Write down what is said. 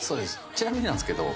ちなみになんですけど。